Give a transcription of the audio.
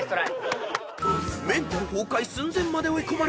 ［メンタル崩壊寸前まで追い込まれた伊野尾］